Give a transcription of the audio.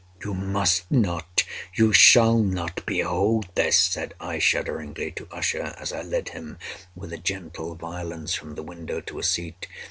"You must not—you shall not behold this!" said I, shudderingly, to Usher, as I led him, with a gentle violence, from the window to a seat.